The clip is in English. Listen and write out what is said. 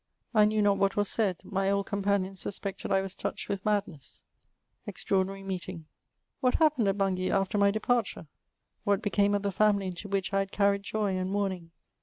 I knew not what was said; my old compamons suspected I was touched with madness. EZTBAoaiasrAai xeetdio. What happened at Bungay after my departure? What became of the family into which I had carried joy and mourn ing